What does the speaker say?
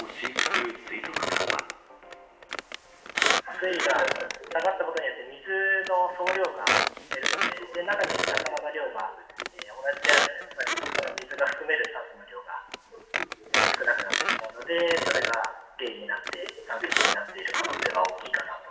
水位が下がったことによって、水の総量が減るので、中にいる魚の量が同じであると、やっぱりその水が含める酸素の量が少なくなってしまうので、それが原因になって、酸欠になっている可能性は大きいかなと。